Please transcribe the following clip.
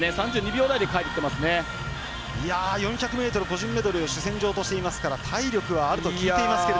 ４００ｍ個人メドレーを主戦場としていますから体力はあると聞いていますが。